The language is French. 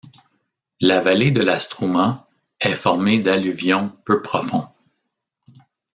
La vallée de la Strouma est formée d'alluvions peu profonds.